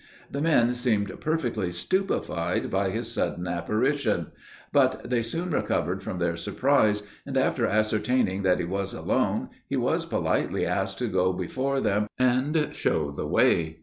The men seemed perfectly stupefied by his sudden apparition, but they soon recovered from their surprise, and, after ascertaining that he was alone, he was politely asked to go before them and show the way.